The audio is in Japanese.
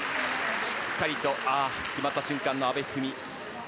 しっかりと決まった瞬間の阿部一二三。